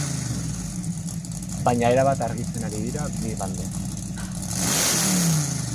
Baña erabat argitzen ari dira bi bando.